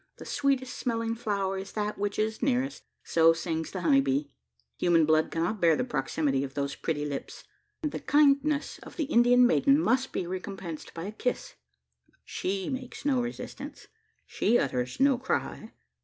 The sweetest smelling flower is that which is nearest so sings the honey bee. Human blood cannot bear the proximity of those pretty lips; and the kindness of the Indian maiden must be recompensed by a kiss. She makes no resistance. She utters no cry.